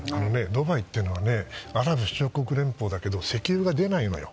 ドバイってアラブ首長国連邦だけど石油が出ないのよ。